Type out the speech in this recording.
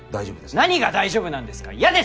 何が大丈夫なんですか嫌ですよ！